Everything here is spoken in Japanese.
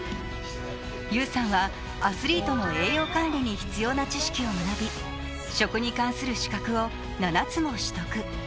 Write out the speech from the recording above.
優さんはアスリートの栄養管理に必要な知識を学び、食に関する資格を７つも取得。